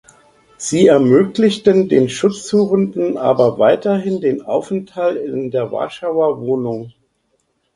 Sie ermöglichten den Schutzsuchenden aber weiterhin den Aufenthalt in der Warschauer Wohnung.